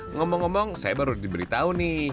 ngomong ngomong saya baru diberitahu nih